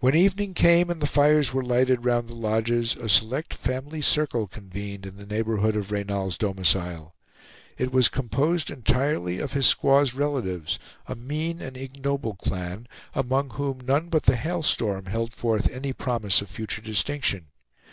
When evening came and the fires were lighted round the lodges, a select family circle convened in the neighborhood of Reynal's domicile. It was composed entirely of his squaw's relatives, a mean and ignoble clan, among whom none but the Hail Storm held forth any promise of future distinction.